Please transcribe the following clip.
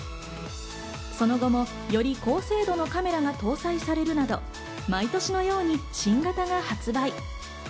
その後もより高精度のカメラが搭載されるなど、毎年のように新型が発売。